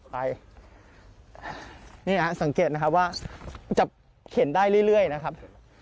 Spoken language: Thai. นี่ฮะสังเกตนะครับว่าจะเข็นได้เรื่อยนะครับ